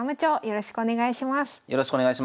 よろしくお願いします。